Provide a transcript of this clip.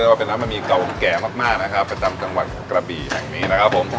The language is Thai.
เรียกได้ว่ามันมีเกาแก่มากนะครับประจำจังหวัดกระบีแห่งนี้นะครับผม